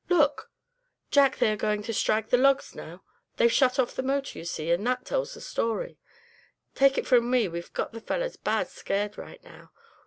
Look! Jack, there, they are going to strike the logs now. They've shut off the motor, you see, and that tells the story. Take it from me we've got the fellers bad scared right now.